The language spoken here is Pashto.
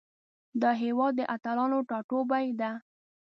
دا هیواد د اتلانو ټاټوبی ده.